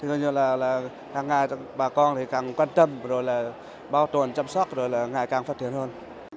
hàng ngày bà con càng quan tâm bao tuần chăm sóc ngày càng phát triển hơn